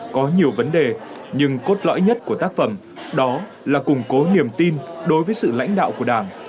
có nhiều vấn đề nhưng cốt lõi nhất của tác phẩm đó là củng cố niềm tin đối với sự lãnh đạo của đảng